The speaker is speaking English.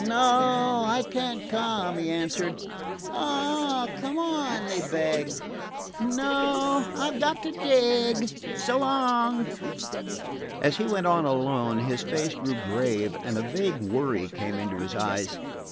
"No I can't come," he answered. "Aw, come on," they begged. "No, I've got to dig. So long!" As he went on alone, his face grew grave and a vague worry came into his eyes.